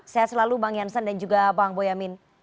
sehat selalu bang jansen dan juga bang boyamin